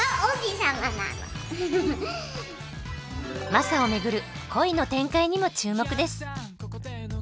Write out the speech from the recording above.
マサを巡る恋の展開にも注目です。